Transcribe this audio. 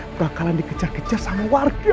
bakalan dikejar kejar sama warga